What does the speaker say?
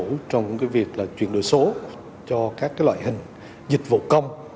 chính phủ trong việc chuyển đổi số cho các loại hình dịch vụ công